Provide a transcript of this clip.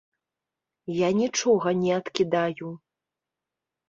Я нічога не адкідаю.